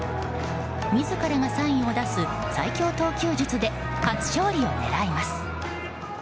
自らがサインを出す最強投球術で初勝利を狙います。